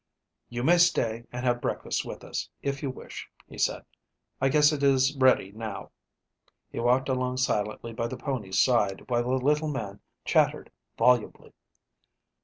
"You may stay and have breakfast with us, if you wish," he said. "I guess it is ready now." He walked along silently by the pony's side while the little man chattered volubly.